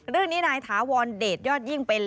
วันนี้นะถาวอนเดตยอดยิ่งเป็น